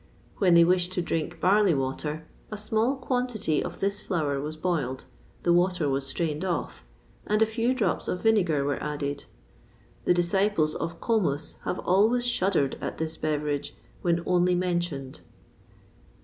When they wished to drink barley water, a small quantity of this flour was boiled, the water was strained off, and a few drops of vinegar were added.[XXVI 29] The disciples of Comus have always shuddered at this beverage, when only mentioned.